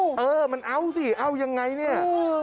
เออมันเอาสิเอายังไงเนี่ย